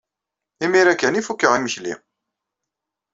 Imir-a kan ay fukeɣ imekli.